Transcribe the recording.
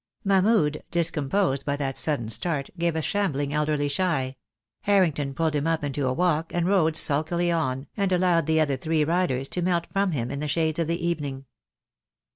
Mahmud, discomposed by that sudden start, gave a shambling elderly shy; Harrington pulled him up into a walk, and rode sulkily on, and allowed the other three riders to melt from him in the shades of evening.